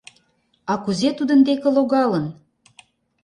А кузе тудын деке логалын?